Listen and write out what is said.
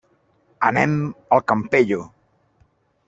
Anem al Campello.